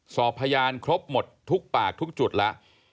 สอบพยานครบหมดทุกปากทุกจุดแล้ว